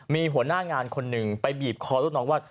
มีหัวหน้างานคนหนึ่งไปบีบคอลูกน้องว่า